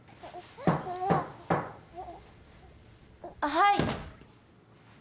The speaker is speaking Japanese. ・はい。